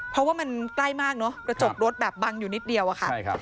เพราะว่ามันใกล้มากเนอะกระจกรถแบบบังอยู่นิดเดียวอะค่ะใช่ครับ